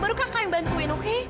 baru kakak yang bantuin oke